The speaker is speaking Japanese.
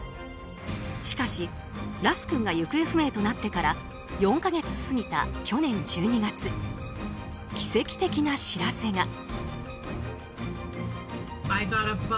しかし、ラス君が行方不明となってから４か月過ぎた去年１２月奇跡的な知らせが。